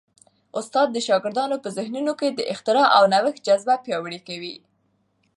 استاد د شاګردانو په ذهنونو کي د اختراع او نوښت جذبه پیاوړې کوي.